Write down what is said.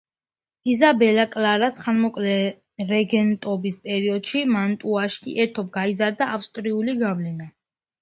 იზაბელა კლარას ხანმოკლე რეგენტობის პერიოდში მანტუაში ერთობ გაიზარდა ავსტრიული გავლენა.